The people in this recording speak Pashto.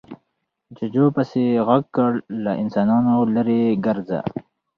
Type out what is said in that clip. جوجو پسې غږ کړ، له انسانانو ليرې ګرځه.